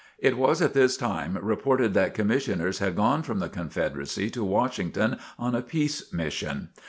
It was at this time reported that Commissioners had gone from the Confederacy to Washington on a peace mission.